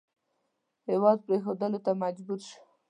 هېواد پرېښودلو ته مجبور شو.